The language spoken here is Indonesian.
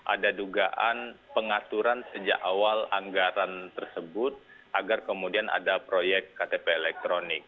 ada dugaan pengaturan sejak awal anggaran tersebut agar kemudian ada proyek ktp elektronik